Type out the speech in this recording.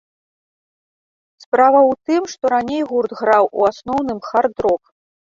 Справа ў тым, што раней гурт граў у асноўным хард-рок.